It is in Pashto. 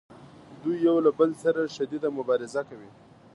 دوی یو له بل سره شدیده مبارزه کوي